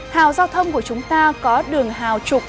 hào giao thông của chúng ta có đường hào trục